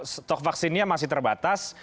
stok vaksinnya masih terbatas